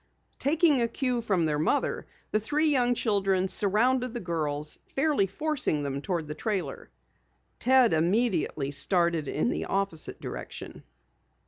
Taking a cue from their mother, the three young children surrounded the girls, fairly forcing them toward the trailer. Ted immediately started in the opposite direction.